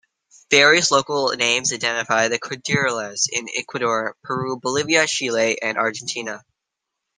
Various local names identify the cordilleras in Ecuador, Peru, Bolivia, Chile, and Argentina.